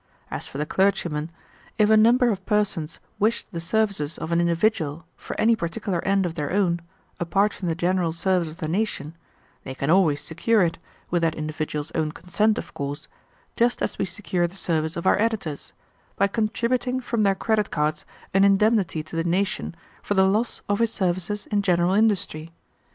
As for the clergymen, if a number of persons wish the services of an individual for any particular end of their own, apart from the general service of the nation, they can always secure it, with that individual's own consent, of course, just as we secure the service of our editors, by contributing from their credit cards an indemnity to the nation for the loss of his services in general industry.